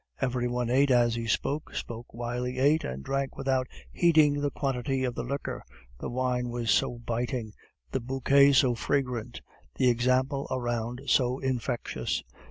Every one ate as he spoke, spoke while he ate, and drank without heeding the quantity of the liquor, the wine was so biting, the bouquet so fragrant, the example around so infectious.